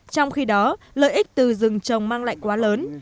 trong khi đó lợi ích từ rừng trồng mang lại quá lớn